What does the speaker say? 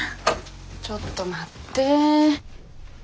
ちょっと待って。